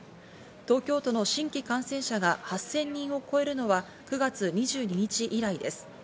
東京都の新規感染者が８０００人を超えるのは９月２２日以来です。